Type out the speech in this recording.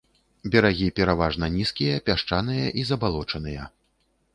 Берагі пераважна нізкія, пясчаныя і забалочаныя.